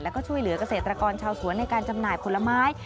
แล้วก็ช่วยเหลือกเกษตรกรชาวสวนในการจำหน่ายผลไม้